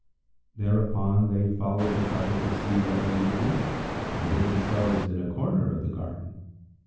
Thereupon they followed the couple to see what they would do, and hid themselves in a corner of the garden.